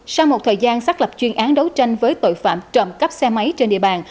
sau một thời gian xác lập chuyên án đấu tranh với tội phạm trộm cắp xe máy trên địa bàn